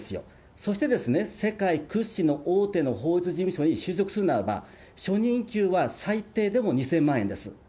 そして、世界屈指の大手の法律事務所に就職するならば、初任給は最低でも２０００万円です。